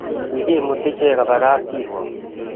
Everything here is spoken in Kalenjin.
Kikimut ichek koba kapkirwok